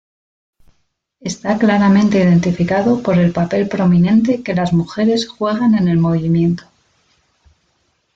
Está claramente identificado por el papel prominente que las mujeres juegan en el movimiento.